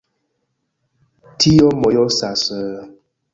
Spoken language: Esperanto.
Tio mojosas...